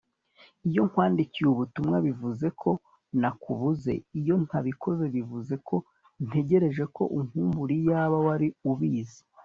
iyo nkwandikiye ubutumwa bivuze ko nakubuze iyo ntabikora bivuze ko ntegereje ko unkumbura iyaba wari ubizi